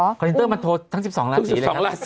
คคอนเซ็นเตอร์มันโทรทั้ง๑๒ราศีเลย